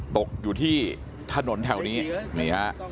ตกอยู่ที่ถนนแถวนี้นี่ฮะ